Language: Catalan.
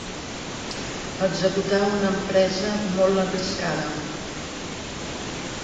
Executar una empresa molt arriscada.